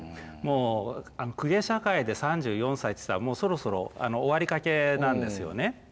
もう公家社会で３４歳っていったらもうそろそろ終わりかけなんですよね。